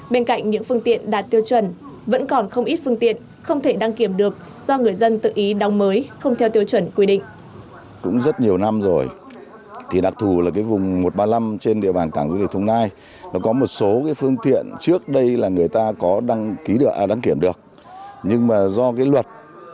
bên cạnh những phương tiện đạt tiêu chuẩn vẫn còn không ít phương tiện không thể đăng kiểm được